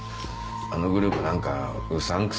あのグループ何かうさんくさいと思う。